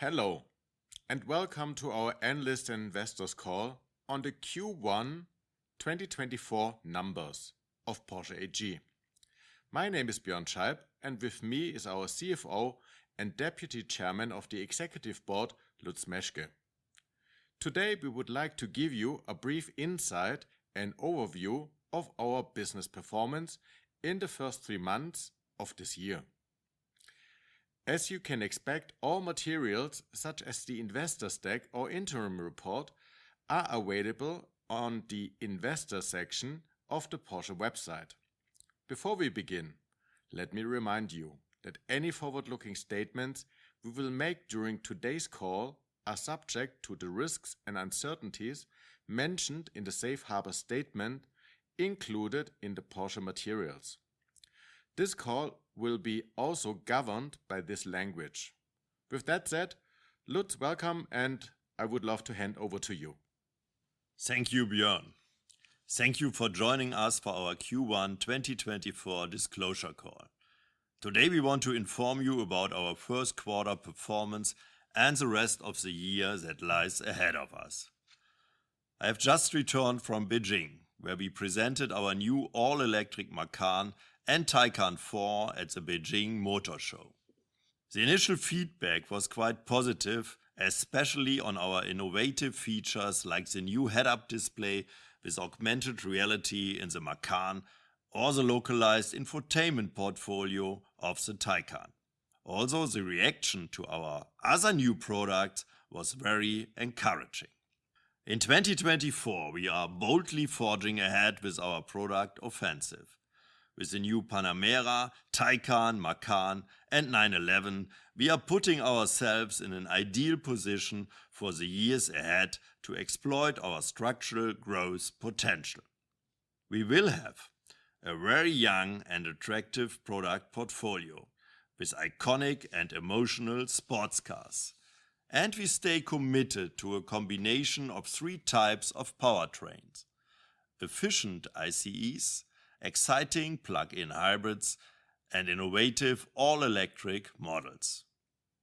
Hello, and welcome to our analyst and investors call on the Q1 2024 numbers of Porsche AG. My name is Björn Scheib, and with me is our CFO and Deputy Chairman of the Executive Board, Lutz Meschke. Today, we would like to give you a brief insight and overview of our business performance in the first three months of this year. As you can expect, all materials, such as the investor stack or interim report, are available on the investor section of the Porsche website. Before we begin, let me remind you that any forward-looking statements we will make during today's call are subject to the risks and uncertainties mentioned in the safe harbor statement included in the Porsche materials. This call will be also governed by this language. With that said, Lutz, welcome, and I would love to hand over to you. Thank you, Björn. Thank you for joining us for our Q1 2024 disclosure call. Today, we want to inform you about our first quarter performance and the rest of the year that lies ahead of us. I have just returned from Beijing, where we presented our new all-electric Macan and Taycan 4 at the Beijing Motor Show. The initial feedback was quite positive, especially on our innovative features, like the new head-up display with augmented reality in the Macan or the localized infotainment portfolio of the Taycan. Also, the reaction to our other new products was very encouraging. In 2024, we are boldly forging ahead with our product offensive. With the new Panamera, Taycan, Macan, and 911, we are putting ourselves in an ideal position for the years ahead to exploit our structural growth potential. We will have a very young and attractive product portfolio with iconic and emotional sports cars, and we stay committed to a combination of three types of powertrains: efficient ICEs, exciting plug-in hybrids, and innovative all-electric models.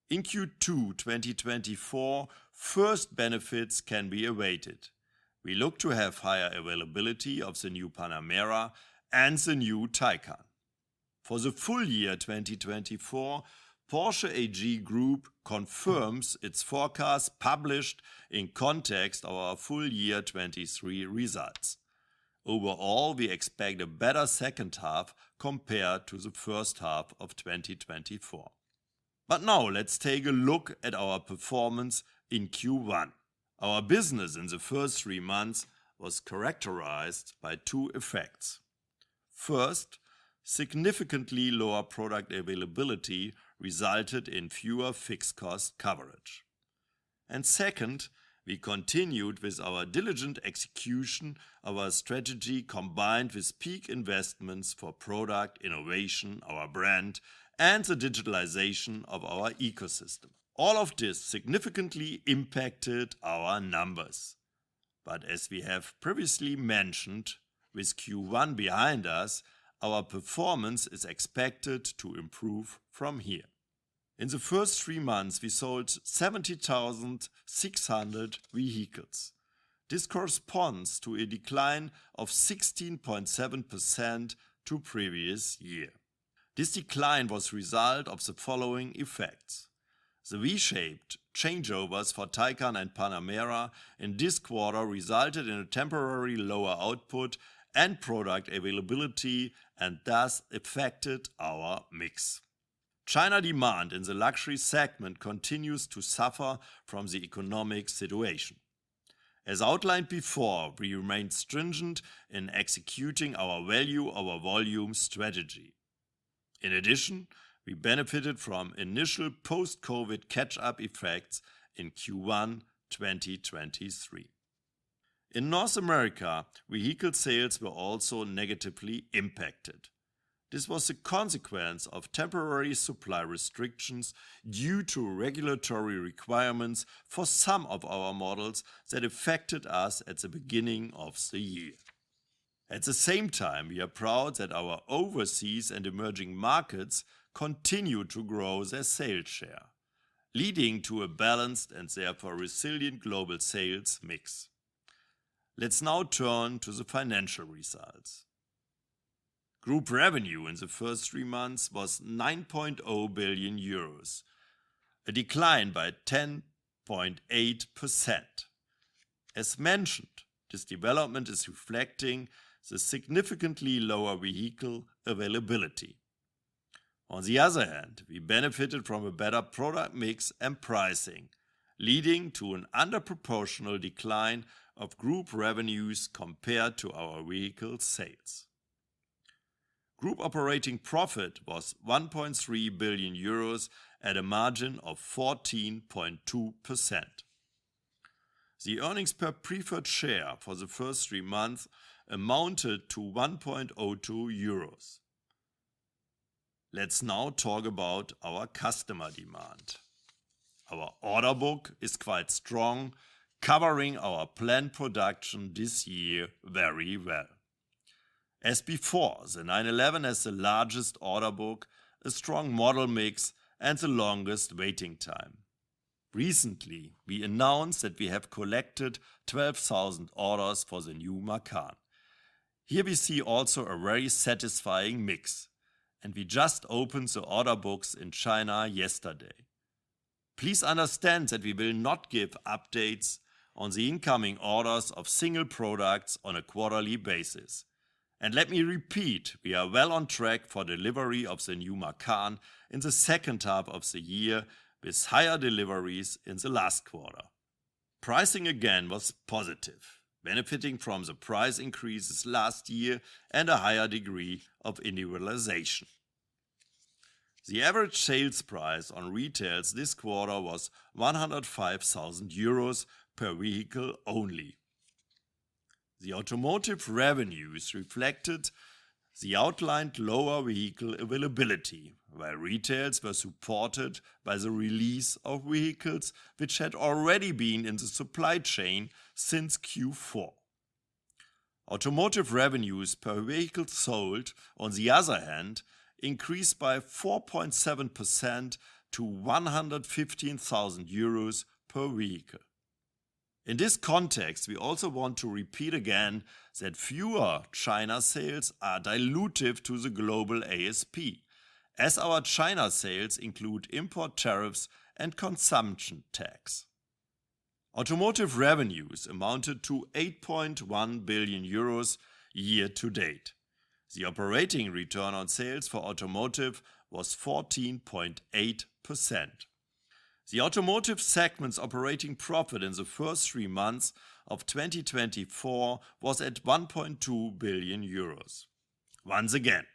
In Q2 2024, first benefits can be awaited. We look to have higher availability of the new Panamera and the new Taycan. For the full year 2024, Porsche AG Group confirms its forecast published in context of our full year 2023 results. Overall, we expect a better second half compared to the first half of 2024. But now let's take a look at our performance in Q1. Our business in the first three months was characterized by two effects. First, significantly lower product availability resulted in fewer fixed cost coverage. Second, we continued with our diligent execution, our strategy combined with peak investments for product innovation, our brand, and the digitalization of our ecosystem. All of this significantly impacted our numbers. As we have previously mentioned, with Q1 behind us, our performance is expected to improve from here. In the first three months, we sold 70,600 vehicles. This corresponds to a decline of 16.7% to previous year. This decline was result of the following effects: The V-shaped changeovers for Taycan and Panamera in this quarter resulted in a temporary lower output and product availability, and thus affected our mix. China demand in the luxury segment continues to suffer from the economic situation. As outlined before, we remain stringent in executing our value, our volume strategy. In addition, we benefited from initial post-COVID catch-up effects in Q1 2023. In North America, vehicle sales were also negatively impacted. This was a consequence of temporary supply restrictions due to regulatory requirements for some of our models that affected us at the beginning of the year. At the same time, we are proud that our overseas and emerging markets continue to grow their sales share, leading to a balanced and therefore resilient global sales mix. Let's now turn to the financial results. Group revenue in the first three months was 9.0 billion euros, a decline by 10.8%. As mentioned, this development is reflecting the significantly lower vehicle availability. On the other hand, we benefited from a better product mix and pricing, leading to an under proportional decline of group revenues compared to our vehicle sales. Group operating profit was 1.3 billion euros at a margin of 14.2%. The earnings per preferred share for the first three months amounted to 1.02 euros. Let's now talk about our customer demand. Our order book is quite strong, covering our planned production this year very well. As before, the 911 has the largest order book, a strong model mix, and the longest waiting time. Recently, we announced that we have collected 12,000 orders for the new Macan. Here we see also a very satisfying mix, and we just opened the order books in China yesterday. Please understand that we will not give updates on the incoming orders of single products on a quarterly basis. Let me repeat, we are well on track for delivery of the new Macan in the second half of the year, with higher deliveries in the last quarter. Pricing again, was positive, benefiting from the price increases last year and a higher degree of individualization. The average sales price on retails this quarter was 105,000 euros per vehicle only. The automotive revenues reflected the outlined lower vehicle availability, where retails were supported by the release of vehicles, which had already been in the supply chain since Q4. Automotive revenues per vehicle sold, on the other hand, increased by 4.7% to 115,000 euros per vehicle. In this context, we also want to repeat again that fewer China sales are dilutive to the global ASP, as our China sales include import tariffs and consumption tax. Automotive revenues amounted to 8.1 billion euros year to date. The operating return on sales for automotive was 14.8%. The automotive segment's operating profit in the first three months of 2024 was at 1.2 billion euros. Once again,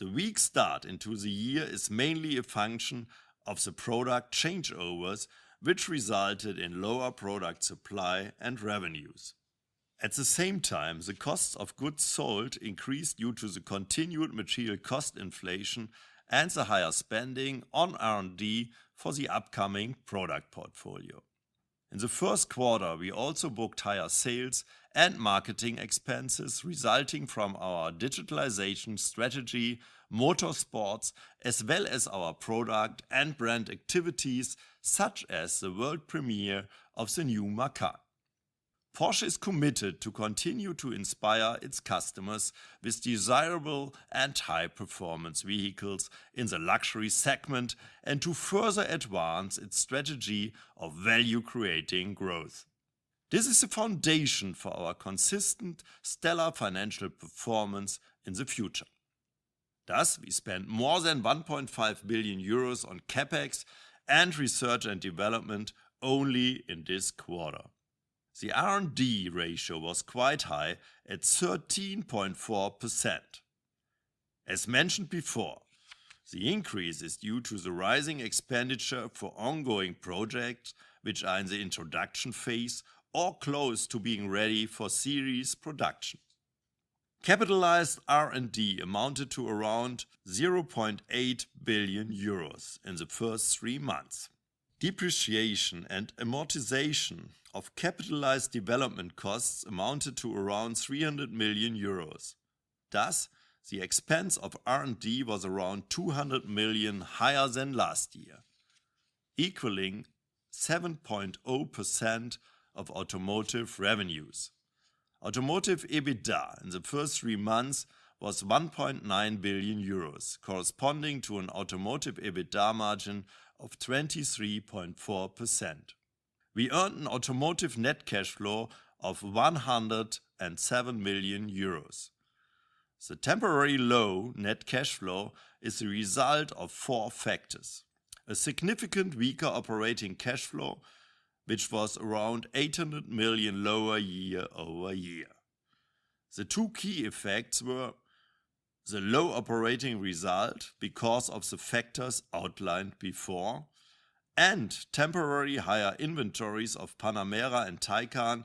the weak start into the year is mainly a function of the product changeovers, which resulted in lower product supply and revenues. At the same time, the costs of goods sold increased due to the continued material cost inflation and the higher spending on R&D for the upcoming product portfolio. In the first quarter, we also booked higher sales and marketing expenses, resulting from our digitalization strategy, motorsports, as well as our product and brand activities, such as the world premiere of the new Macan. Porsche is committed to continue to inspire its customers with desirable and high-performance vehicles in the luxury segment, and to further advance its strategy of value-creating growth. This is a foundation for our consistent, stellar financial performance in the future. Thus, we spent more than 1.5 billion euros on CapEx and research and development only in this quarter. The R&D ratio was quite high at 13.4%. As mentioned before, the increase is due to the rising expenditure for ongoing projects, which are in the introduction phase or close to being ready for series production. Capitalized R&D amounted to around 0.8 billion euros in the first three months. Depreciation and amortization of capitalized development costs amounted to around 300 million euros. Thus, the expense of R&D was around 200 million higher than last year, equaling 7.0% of automotive revenues. Automotive EBITDA in the first three months was 1.9 billion euros, corresponding to an automotive EBITDA margin of 23.4%. We earned an automotive net cash flow of 107 million euros. The temporary low net cash flow is a result of four factors: a significant weaker operating cash flow, which was around 800 million lower year-over-year. The two key effects were the low operating result, because of the factors outlined before, and temporary higher inventories of Panamera and Taycan,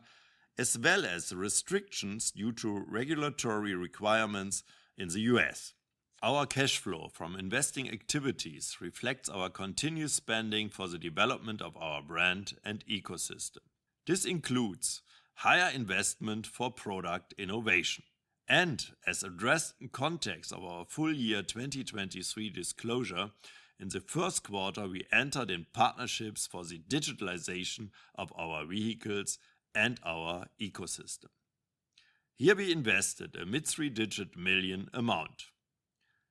as well as restrictions due to regulatory requirements in the U.S.. Our cash flow from investing activities reflects our continued spending for the development of our brand and ecosystem. This includes higher investment for product innovation and, as addressed in context of our full-year 2023 disclosure, in the first quarter, we entered in partnerships for the digitalization of our vehicles and our ecosystem. Here, we invested a mid-three-digit million EUR amount.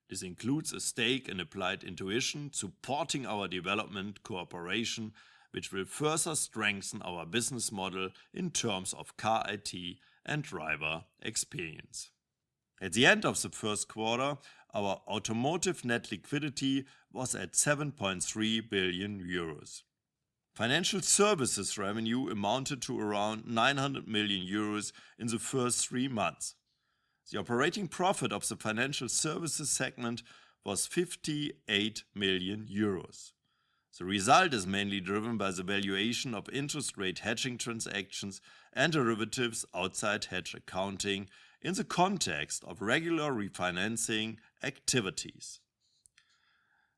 This includes a stake in Applied Intuition, supporting our development cooperation, which will further strengthen our business model in terms of car IT and driver experience. At the end of the first quarter, our automotive net liquidity was at 7.3 billion euros. Financial services revenue amounted to around 900 million euros in the first three months. The operating profit of the financial services segment was 58 million euros. The result is mainly driven by the valuation of interest rate hedging transactions and derivatives outside hedge accounting in the context of regular refinancing activities....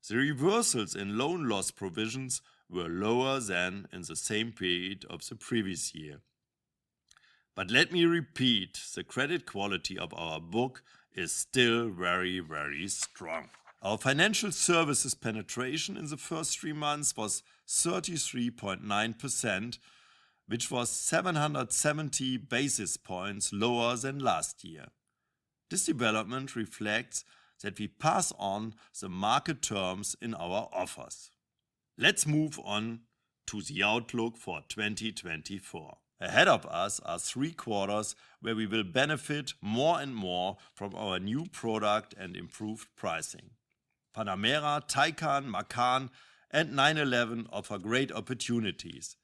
The reversals in loan loss provisions were lower than in the same period of the previous year. But let me repeat, the credit quality of our book is still very, very strong. Our financial services penetration in the first three months was 33.9%, which was 770 basis points lower than last year. This development reflects that we pass on the market terms in our offers. Let's move on to the outlook for 2024. Ahead of us are three quarters, where we will benefit more and more from our new product and improved pricing. Panamera, Taycan, Macan, and 911 offer great opportunities,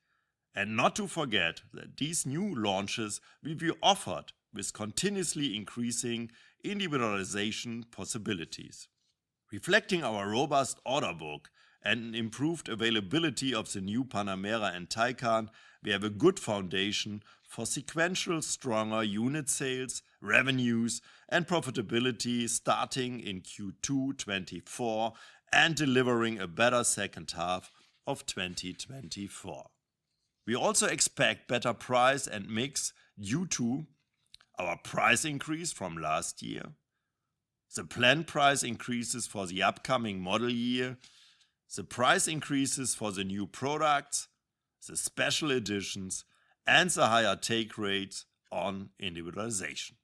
and not to forget that these new launches will be offered with continuously increasing individualization possibilities. Reflecting our robust order book and improved availability of the new Panamera and Taycan, we have a good foundation for sequential stronger unit sales, revenues, and profitability starting in Q2 2024, and delivering a better second half of 2024. We also expect better price and mix due to our price increase from last year, the planned price increases for the upcoming model year, the price increases for the new products, the special editions, and the higher take rates on individualization.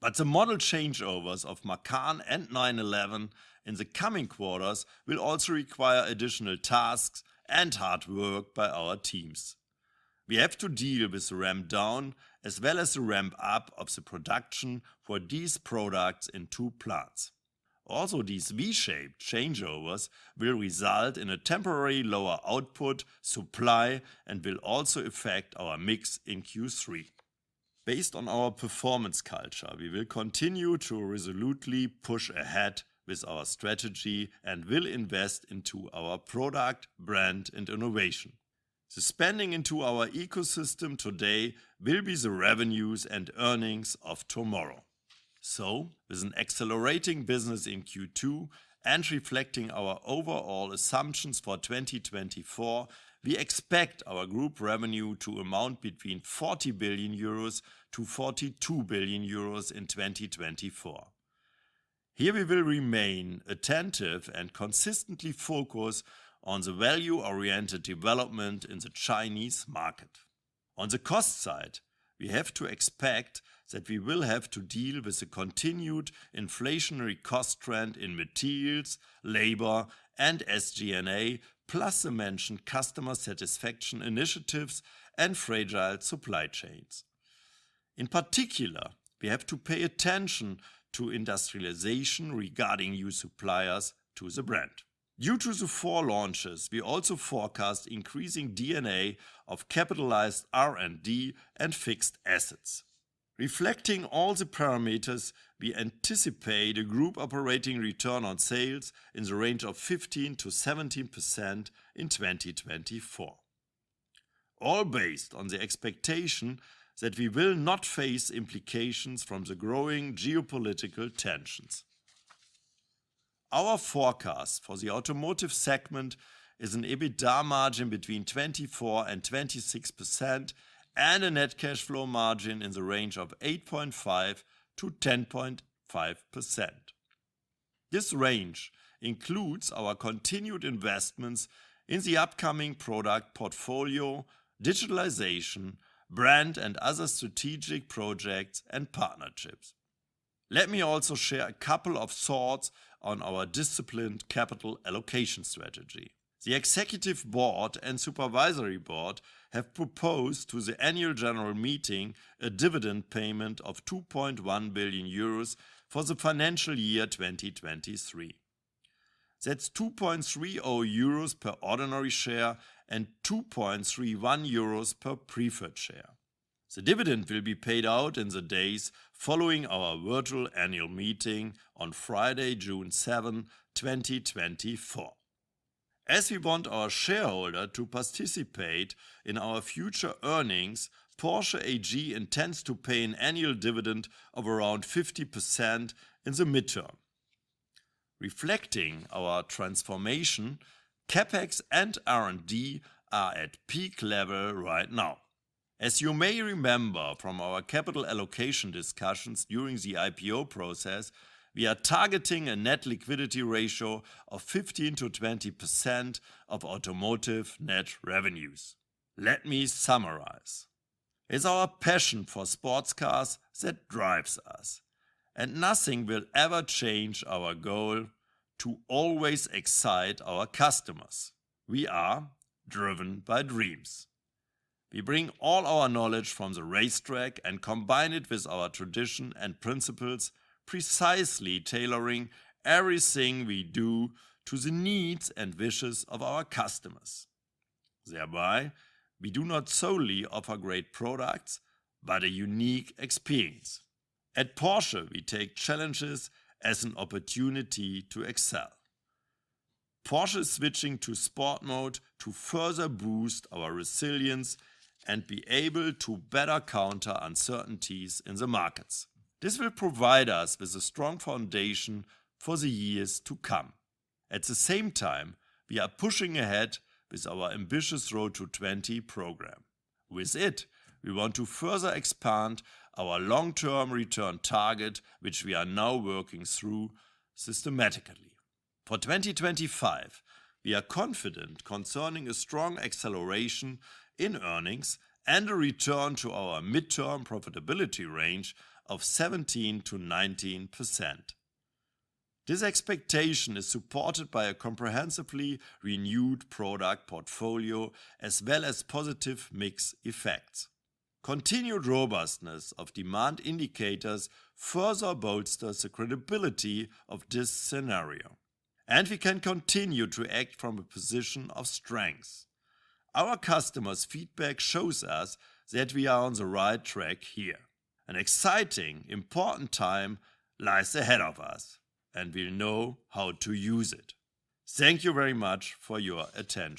But the model changeovers of Macan and 911 in the coming quarters will also require additional tasks and hard work by our teams. We have to deal with the ramp down, as well as the ramp up of the production for these products in two plants. Also, these V-shaped changeovers will result in a temporary lower output, supply, and will also affect our mix in Q3. Based on our performance culture, we will continue to resolutely push ahead with our strategy and will invest into our product, brand, and innovation. The spending into our ecosystem today will be the revenues and earnings of tomorrow. So with an accelerating business in Q2 and reflecting our overall assumptions for 2024, we expect our group revenue to amount between 40 billion euros and 42 billion euros in 2024. Here, we will remain attentive and consistently focused on the value-oriented development in the Chinese market. On the cost side, we have to expect that we will have to deal with the continued inflationary cost trend in materials, labor, and SG&A, plus the mentioned customer satisfaction initiatives and fragile supply chains. In particular, we have to pay attention to industrialization regarding new suppliers to the brand. Due to the four launches, we also forecast increasing CapEx of capitalized R&D and fixed assets. Reflecting all the parameters, we anticipate a group operating return on sales in the range of 15%-17% in 2024, all based on the expectation that we will not face implications from the growing geopolitical tensions. Our forecast for the automotive segment is an EBITDA margin between 24%-26% and a net cash flow margin in the range of 8.5%-10.5%. This range includes our continued investments in the upcoming product portfolio, digitalization, brand, and other strategic projects and partnerships. Let me also share a couple of thoughts on our disciplined capital allocation strategy. The executive board and supervisory board have proposed to the annual general meeting a dividend payment of 2.1 billion euros for the financial year 2023. That's 2.30 euros per ordinary share and 2.31 euros per preferred share. The dividend will be paid out in the days following our virtual annual meeting on Friday, June 7, 2024. As we want our shareholder to participate in our future earnings, Porsche AG intends to pay an annual dividend of around 50% in the midterm. Reflecting our transformation, CapEx and R&D are at peak level right now. As you may remember from our capital allocation discussions during the IPO process, we are targeting a net liquidity ratio of 15%-20% of automotive net revenues. Let me summarize: It's our passion for sports cars that drives us, and nothing will ever change our goal to always excite our customers. We are driven by dreams. We bring all our knowledge from the racetrack and combine it with our tradition and principles, precisely tailoring everything we do to the needs and wishes of our customers. Thereby, we do not solely offer great products, but a unique experience. At Porsche, we take challenges as an opportunity to excel. Porsche is switching to sport mode to further boost our resilience and be able to better counter uncertainties in the markets. This will provide us with a strong foundation for the years to come. At the same time, we are pushing ahead with our ambitious Road to 20 program. With it, we want to further expand our long-term return target, which we are now working through systematically. For 2025, we are confident concerning a strong acceleration in earnings and a return to our midterm profitability range of 17%-19%. This expectation is supported by a comprehensively renewed product portfolio, as well as positive mix effects. Continued robustness of demand indicators further bolsters the credibility of this scenario, and we can continue to act from a position of strength. Our customers' feedback shows us that we are on the right track here. An exciting, important time lies ahead of us, and we know how to use it. Thank you very much for your attention.